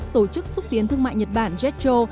tổ chức xúc tiến thương mại nhật bản jetro